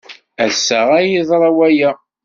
Ass-a ay yeḍra waya.